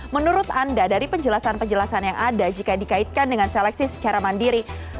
menurut anda dari penjelasan penjelasan yang ada jika dikaitkan dengan seleksi secara mandiri